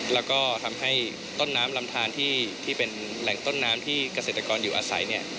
แล้วก็ทำให้ต้นน้ำลำทานที่เป็นแหล่งต้นน้ำที่เกษตรกรอยู่อาศัยเนี่ย